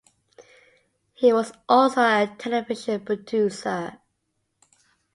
He was also a television producer.